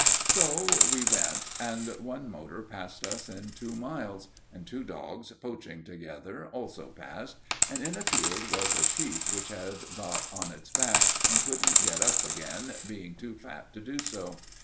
So we went, and one motor passed us in two miles; and two dogs poaching together also passed, and in a field was a sheep which had got on its back and couldn't get up again, being too fat to do so.